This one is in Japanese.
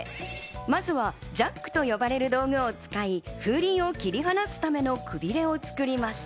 まずはジャックと呼ばれる道具を使い風鈴を切り離すためのくびれを作ります。